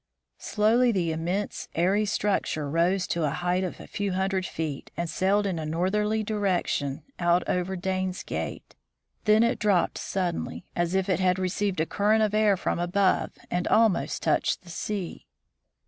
Slowly the immense, airy structure rose to a height of a few hundred feet, and sailed in a northerly direction out 152 THE FROZEN NORTH over Dane's gate. Then it dropped suddenly, as if it had received a current of air from above, and almost touched the sea.